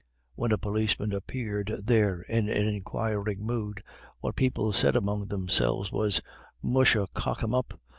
When a policeman appeared there in an inquiring mood, what people said among themselves was, "Musha cock him up.